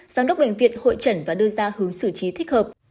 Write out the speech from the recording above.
giám đốc bệnh viện hội trần và đưa ra hướng xử trí thích hợp